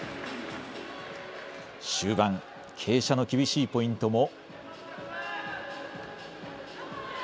終盤、傾斜の厳しいポイントも。